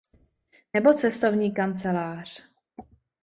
Nebo cestovní kancelář?